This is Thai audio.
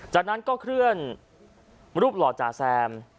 จากนั้นก็เคลื่อนรูปหล่อจ่าแซม